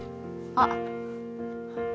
あっ。